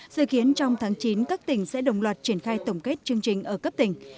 dự kiến trong tháng chín các tỉnh sẽ đồng loạt triển khai tổng kết chương trình ở cấp tỉnh